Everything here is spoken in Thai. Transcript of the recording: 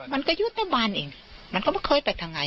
มันก็อยู่ในบ้านเองมันก็ไม่เคยไปทางไหน